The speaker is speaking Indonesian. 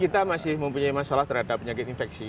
kita masih mempunyai masalah terhadap penyakit infeksi